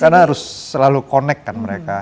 karena harus selalu connect kan mereka